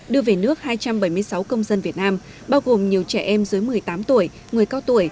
đưa về nước hai trăm bảy mươi sáu công dân việt nam bao gồm nhiều trẻ em dưới một mươi tám tuổi người cao tuổi